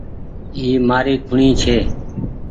اي مآري کوڻي ڇي۔